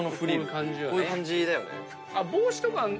こういう感じだよね。